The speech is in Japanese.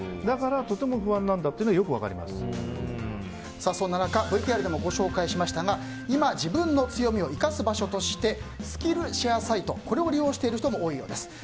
だから、とても不安というのはそんな中、ＶＴＲでもご紹介しましたが今、自分の強みを生かす場所としてスキルシェアサイトを利用している人も多いようです。